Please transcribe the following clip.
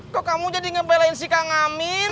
kok kamu jadi ngebelain si kang amin